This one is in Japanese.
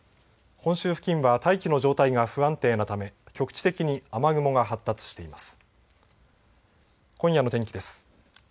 本州付近は大気の状態が不安定なため局地的に雨雲が発達しています。